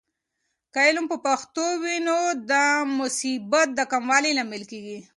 که علم په پښتو وي، نو د مصیبت د کموالي لامل کیږي.